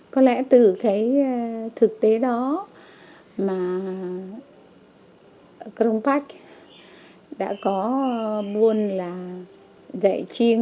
có lẽ từ cái thực tế đó mà crongpac đã có bôn là dạy chiêng